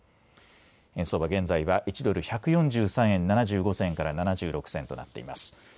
円相場、現在は１ドル１４３円７５銭から７６銭となっています。